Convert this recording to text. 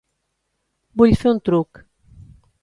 Vull fer un truc.